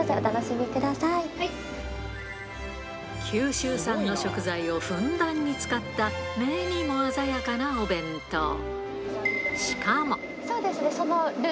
九州産の食材をふんだんに使った目にも鮮やかなお弁当